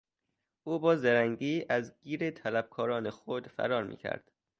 او با زرنگی از گیر طلبکاران خود فرار میکرد.